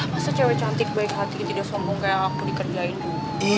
masa cewe cantik baik hati tidak sombong kayak yang aku dikerjain dulu